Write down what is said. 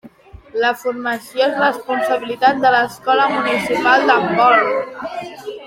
La formació és responsabilitat de l'Escola Municipal d'Handbol.